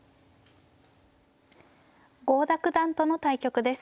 郷田九段との対局です。